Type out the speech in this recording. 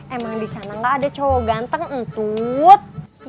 emang disana gak ada cowok ganteng ancut